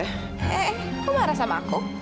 eh kok marah sama aku